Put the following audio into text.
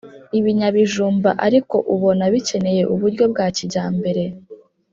ibinyabijumba ariko ubona bikeneye uburyo bwa kijyambere